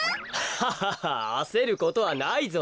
ハハハあせることはないぞ。